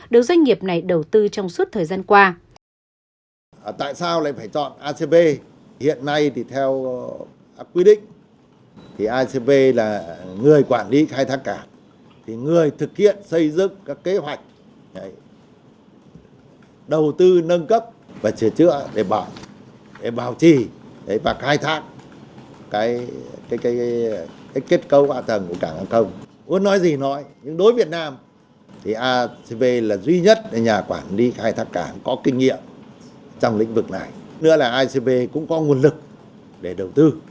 được doanh nghiệp này đầu tư trong suốt thời gian qua